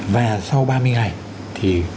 và sau ba mươi ngày thì